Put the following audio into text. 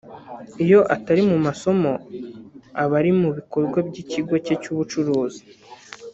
Iyo atari mu masomo aba ari mu bikorwa by’ikigo cye cy’ubucuruzi